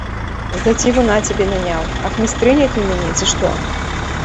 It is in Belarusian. За цівуна цябе наняў, ахмістрыняй ты ў мяне, ці што?